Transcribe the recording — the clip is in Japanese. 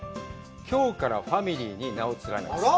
きょうからファミリーに名を連ねます